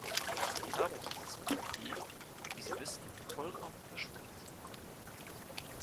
Es gibt Arbeitsplätze, die, wie Sie wissen, vollkommen verschwunden sind.